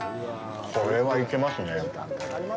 これは、いけますね。